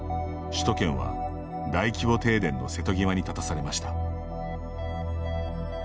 首都圏は大規模停電の瀬戸際に立たされました。